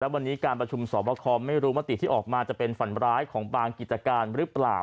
วันนี้การประชุมสอบคอไม่รู้มติที่ออกมาจะเป็นฝันร้ายของบางกิจการหรือเปล่า